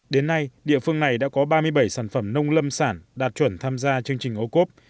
đến nay địa phương này đã có ba mươi bảy sản phẩm nông lâm sản đạt chuẩn tham gia chương trình ô cốp